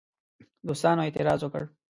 دوستانو اعتراض وکړ.